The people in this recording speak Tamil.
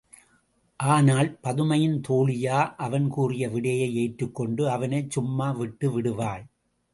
ஆனால் பதுமையின் தோழியா அவன் கூறிய விடையை ஏற்றுக்கொண்டு, அவனைச் சும்மா விட்டு விடுவாள்?